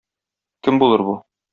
Кем булыр бу?